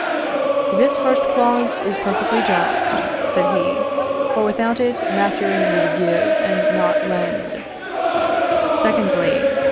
"This first clause is perfectly just," said he, "for without it Mathurin would give, and not lend." Secondly.